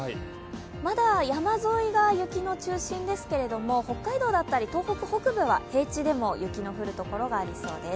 まだ山沿いが雪の中心ですけれども、北海道だったり東北北部は平地でも雪の降るところがありそうです。